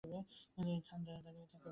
কিন্তু এই ঠাণ্ডায় দাঁড়িয়ে থাকতে বেশ লাগছে।